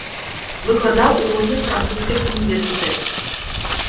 Выкладаў у розных французскіх універсітэтах.